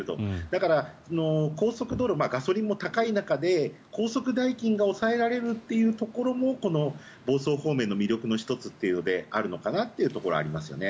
だから、高速道路ガソリンも高い中で高速代金が抑えられるというところもこの房総方面の魅力の１つであるのかなということがあります。